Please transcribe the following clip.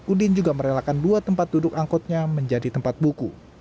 udin juga merelakan dua tempat duduk angkotnya menjadi tempat buku